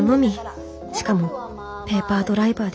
しかもペーパードライバーです